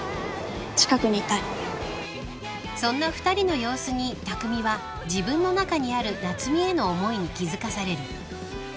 ［そんな２人の様子に匠は自分の中にある夏海への思いに気付かされる］